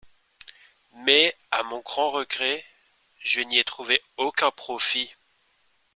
Mais, à mon grand regret, je n’y ai trouvé aucun profit.